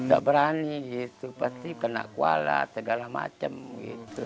nggak berani pasti kena kuala segala macam gitu